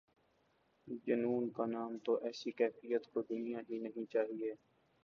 جنون کا نام تو ایسی کیفیت کو دینا ہی نہیں چاہیے۔